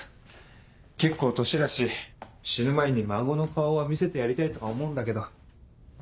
結構年だし死ぬ前に孫の顔は見せてやりたいとか思うんだけど。